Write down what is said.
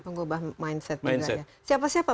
mengubah mindset juga ya siapa siapa